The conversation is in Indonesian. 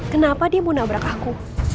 kenapa dia mau nabrak aku